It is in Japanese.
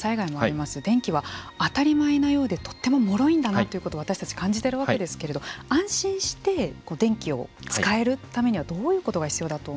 電気は当たり前なようでとってももろいんだなということを私たち感じてるわけですけれど安心して電気を使えるためにはどういうことが必要だと思いますか？